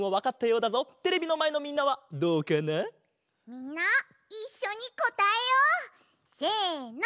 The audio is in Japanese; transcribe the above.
みんないっしょにこたえよう！せの！